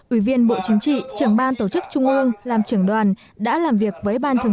ủy viên bộ chính trị trưởng ban tổ chức trung ương làm trưởng đoàn đã làm việc với ban thường